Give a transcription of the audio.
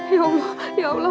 ya allah ya allah